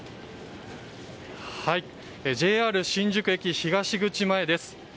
ＪＲ新宿駅東口前です。